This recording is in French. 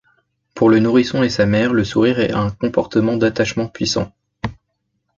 Pour le nourrisson et sa mère, le sourire est un comportement d'attachement puissant.